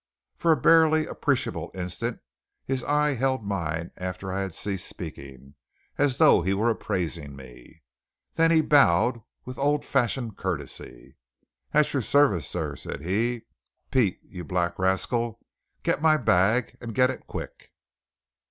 For a barely appreciable instant his eye held mine after I had ceased speaking, as though he was appraising me. Then he bowed with old fashioned courtesy. "At your service, sir," said he. "Pete, you black rascal, get my bag, and get it quick."